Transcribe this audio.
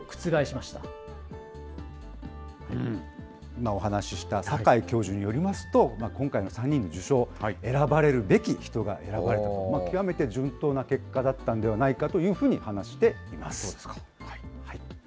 今お話しした坂井教授によりますと、今回の３人の受賞、選ばれるべき人が選ばれたと、極めて順当な結果だったんではないかというふうに話しています。